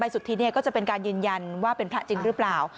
สุทธิก็จะยืนยันเป็นพระหรือเปล่า